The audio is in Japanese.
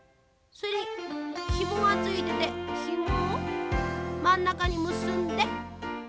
ひもがついててひもをまんなかにむすんで。